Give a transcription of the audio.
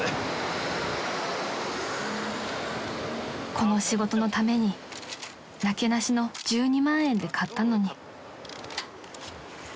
［この仕事のためになけなしの１２万円で買ったのに］